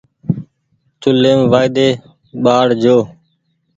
چوليم وآئيۮي ٻآڙ جو